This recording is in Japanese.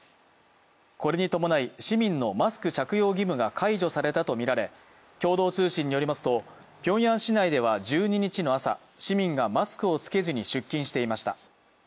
これに伴い市民のマスク着用義務が解除されたとみられ共同通信によりますとピョンヤン市内では１２日の朝、市民がマスクを着けずに出勤していました。